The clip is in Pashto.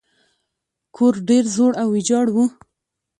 کور ډیر زوړ او ویجاړ و.